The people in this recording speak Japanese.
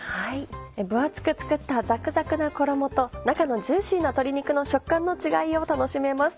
分厚く作ったザクザクな衣と中のジューシーな鶏肉の食感の違いを楽しめます。